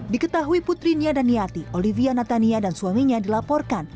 diketahui putrinya dan yati olivia natania dan suaminya dilaporkan